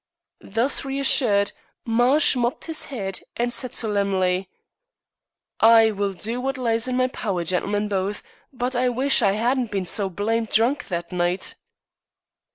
Thus reassured, Marsh mopped his head and said solemnly: "I will do wot lies in my power, gentlemen both, but I wish I 'adn't bin so blamed drunk that night."